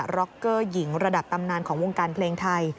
ร็อกเกอร์หญิงระดับตำนานของวงการเพลงไทย